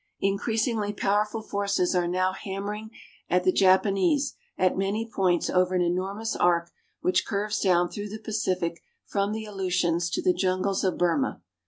Increasingly powerful forces are now hammering at the Japanese at many points over an enormous arc which curves down through the Pacific from the Aleutians to the Jungles of Burma.